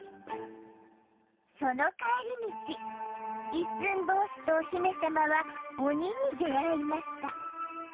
その帰り道一寸法師とお姫様は鬼に出会いました。